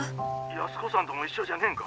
☎安子さんとも一緒じゃねえんか！